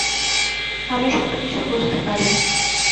আমি সব কিছু বুঝতে পারি।